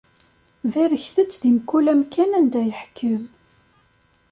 Barket-t di mkul amkan anda yeḥkem!